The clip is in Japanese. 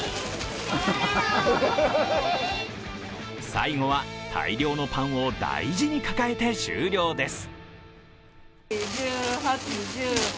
最後は大量のパンを大事に抱えて終了です。